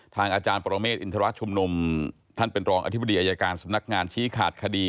อาจารย์ปรเมฆอินทรชุมนุมท่านเป็นรองอธิบดีอายการสำนักงานชี้ขาดคดี